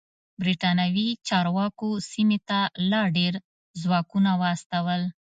برېتانوي چارواکو سیمې ته لا ډېر ځواکونه واستول.